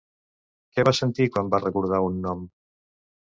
Què va sentir quan va recordar un nom?